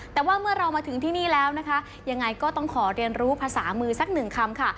แต่ว่าเมื่อเรามาถึงที่นี่แล้วนะคะยังไงก็ต้องขอเรียนรู้ภาษามือสักหนึ่งคำค่ะ